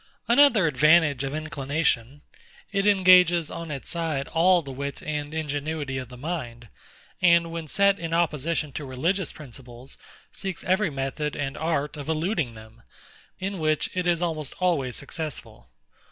Another advantage of inclination: It engages on its side all the wit and ingenuity of the mind; and when set in opposition to religious principles, seeks every method and art of eluding them: In which it is almost always successful.